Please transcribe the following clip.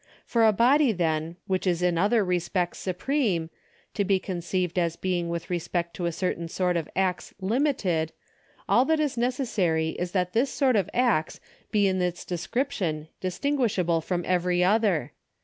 For a body, then, which is in other respects supreme, to be conceived as being with respect to a certain sort of acts limited, all that is necessary is that this sort of acts be in its descrip tion distinguishable from every other.